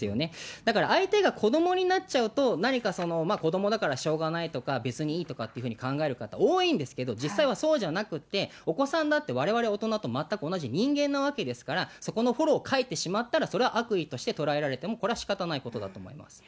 だから相手が子どもになっちゃうと、何か子どもだからしょうがないとか、別にいいとかっていうふうに考える方多いんですけど、実際はそうじゃなくって、お子さんだってわれわれ大人と全く同じ人間なわけですから、そこのフォローを欠いてしまったら、それは悪意として捉えられてもこれはしかたないことだと思います。